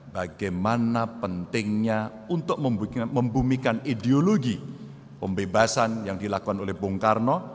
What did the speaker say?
bagaimana pentingnya untuk membumikan ideologi pembebasan yang dilakukan oleh bung karno